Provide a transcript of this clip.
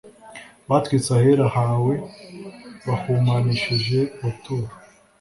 batwitse ahera hawe bahumanishije ubuturo